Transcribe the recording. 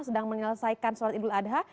sedang menyelesaikan sholat idul adha